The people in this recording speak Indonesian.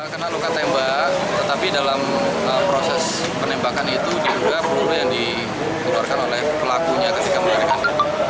kena luka tembak tetapi dalam proses penembakan itu diduga peluru yang dikeluarkan oleh pelakunya ketika melarikan